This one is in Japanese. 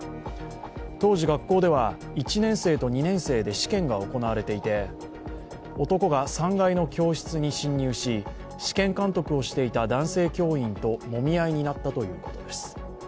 当時、学校では１年生と２年生で試験が行われていて男が３階の教室に侵入し、試験監督をしていた男性教員ともみ合いになったということです。